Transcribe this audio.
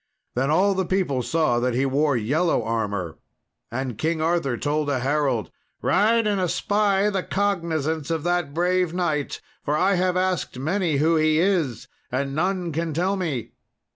Then all the people saw that he wore yellow armour. And King Arthur told a herald, "Ride and espy the cognizance of that brave knight, for I have asked many who he is, and none can tell me."